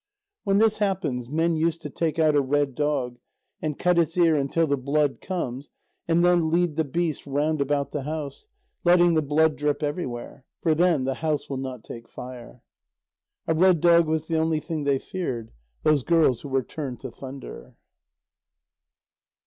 When this happens, men use to take out a red dog, and cut its ear until the blood comes, and then lead the beast round about the house, letting the blood drip everywhere, for then the house will not take fire. A red dog was the only thing they feared, those girls who were turned to thunder.